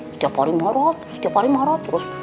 setiap hari marah terus setiap hari marah terus